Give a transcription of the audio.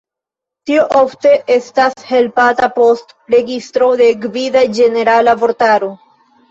Tio ofte estas helpata post registro en gvida ĝenerala vortaro.